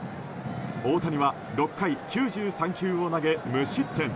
大谷は６回９３球を投げ無失点。